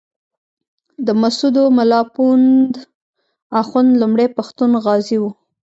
د مسودو ملا پوونده اخُند لومړی پښتون غازي وو.